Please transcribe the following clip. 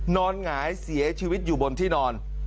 หงายเสียชีวิตอยู่บนที่นอน